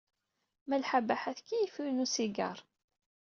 Malḥa Baḥa tkeyyef yiwen n usigaṛ.